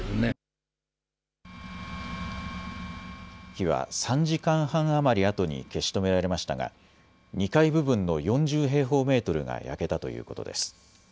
火は３時間半余りあとに消し止められましたが２階部分の４０平方メートルが焼けたということです。